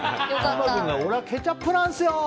俺はケチャップなんっすよー！